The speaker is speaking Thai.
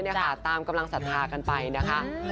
ใส่น้อยตามกำลังศราทกันไปนะคะ